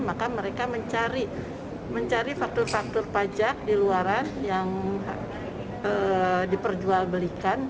maka mereka mencari faktor faktor pajak di luar yang diperjual belikan